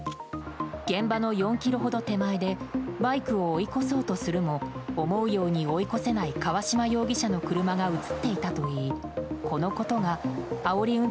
現場の４ｋｍほど手前でバイクを追い越そうとするも思うように追い越せない川島容疑者の車が映っていたといい、このことがあおり